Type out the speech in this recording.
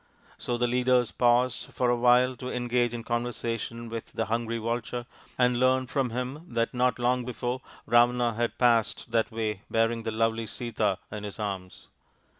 So the leaders paused for a while to engage in conversation with the hungry vulture and learnt from him that not long before Ravana had passed that way bearing the lovely Sita in his arms.